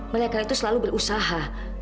mereka itu selalu berusaha